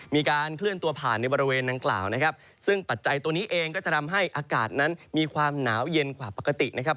มีการเคลื่อนตัวผ่านในบริเวณดังกล่าวนะครับซึ่งปัจจัยตัวนี้เองก็จะทำให้อากาศนั้นมีความหนาวเย็นกว่าปกตินะครับ